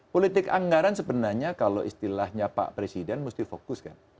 politik anggaran sebenarnya kalau istilahnya pak presiden mesti fokus kan